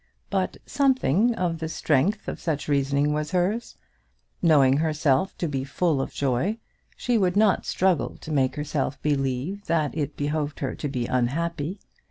But something of the strength of such reasoning was hers. Knowing herself to be full of joy, she would not struggle to make herself believe that it behoved her to be unhappy.